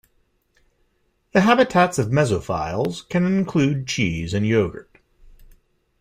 The habitats of mesophiles can include cheese and yogurt.